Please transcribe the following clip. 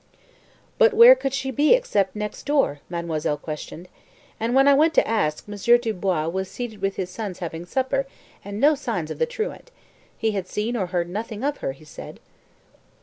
"But where could she be except next door?" mademoiselle questioned; "and when I went to ask, Monsieur Dubois was seated with his sons having supper, and no signs of the truant. He had seen or heard nothing of her, he said."